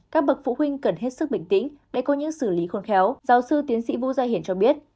các bậc phụ huynh cần hết sức bình tĩnh để có những xử lý khôn khéo giáo sư tiến sĩ vũ gia hiển cho biết